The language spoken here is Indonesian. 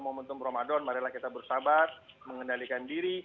momentum ramadan marilah kita bersahabat mengendalikan diri